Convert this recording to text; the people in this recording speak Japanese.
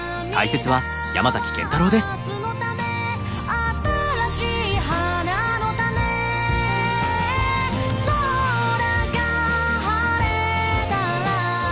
「新しい花の種」「空が晴れたら」